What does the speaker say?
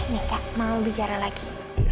nih kak mau bicara lagi